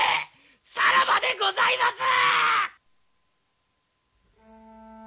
さらばでございます！